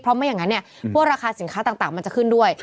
เพราะไม่อย่างนั้นเนี่ยพวกราคาสินค้าต่างมันจะขึ้นด้วย